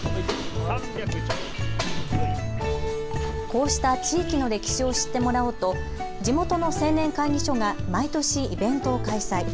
こうした地域の歴史を知ってもらおうと地元の青年会議所が毎年イベントを開催。